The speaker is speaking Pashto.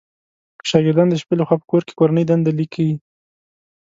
شاګردان د شپې لخوا په کور کې کورنۍ دنده ليکئ